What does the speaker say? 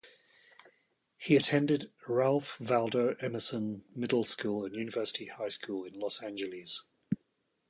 He attended Ralph Waldo Emerson Middle School and University High School in Los Angeles.